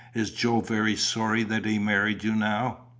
Is Joe very sorry that he married you, now?"